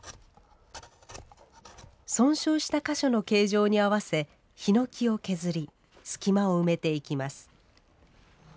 損傷した箇所の形状に合わせヒノキを削り隙間を埋めていきます。